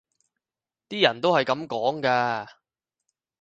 啲人都係噉講㗎